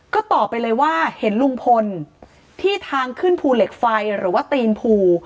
ก็ตอบไปเลยว่าเห็นลุงพลที่ทางขึ้นภูเหล็กไฟหรือว่าตีนภู